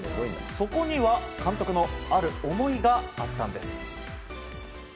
そこには、監督のある思いがあったんです。